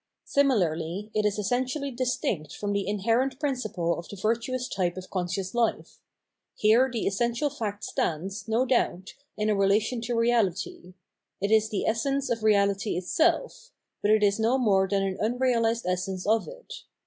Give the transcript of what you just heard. Similarly it is essentially distinct from the inherent principle of the virtuous type of conscious hfe ; here the essential fact stands, no doubt, in a relation to reahty ; it is the essence of reahty itself : but it is no more than an xmreahsed essence of it.